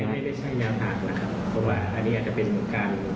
ไม่ใช่นะครับเพราะว่าอันนี้อาจจะเป็นการ